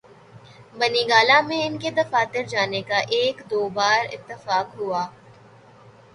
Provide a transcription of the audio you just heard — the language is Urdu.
بنی گالہ میں ان کے دفتر جانے کا ایک دو بار اتفاق ہوا۔